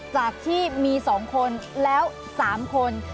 จากที่มี๒คนแล้ว๓คน